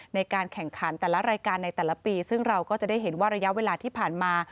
ในการแข่งขันแต่ละรายการในแต่ละปีซึ่งเราก็จะได้เห็นว่าระยะเวลาที่ผ่านมา